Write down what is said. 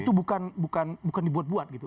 itu bukan dibuat buat gitu